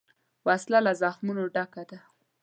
وسله له زخمونو ډکه ده